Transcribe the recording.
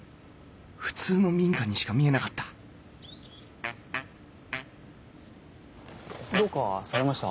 普通の民家にしか見えなかったどうかされました？